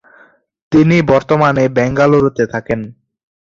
তিনি বর্তমানে বেঙ্গালুরুতে থাকেন।